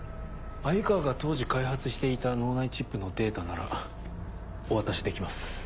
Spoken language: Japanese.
鮎川が当時開発していた脳内チップのデータならお渡しできます。